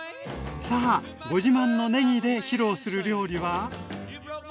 さあご自慢のねぎで披露する料理は？